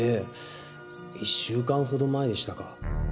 １週間ほど前でしたか。